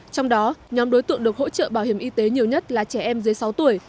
trong đó nhóm đối tượng được hỗ trợ bảo hiểm y tế nhiều nhất là trẻ em dưới sáu tuổi